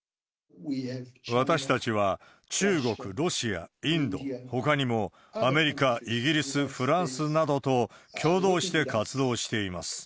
私たちは中国、ロシア、インド、ほかにもアメリカ、イギリス、フランスなどと共同して活動しています。